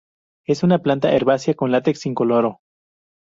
Es una planta herbácea con latex incoloro.